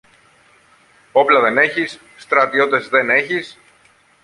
Όπλα δεν έχεις, στρατιώτες δεν έχεις.